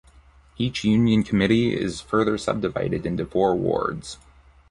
Each Union committee is further sub divided into four wards.